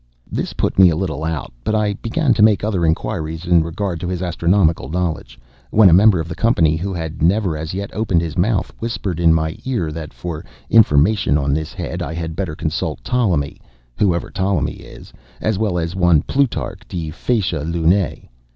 This put me a little out, but I began to make other inquiries in regard to his astronomical knowledge, when a member of the company, who had never as yet opened his mouth, whispered in my ear, that for information on this head, I had better consult Ptolemy (whoever Ptolemy is), as well as one Plutarch de facie lunae.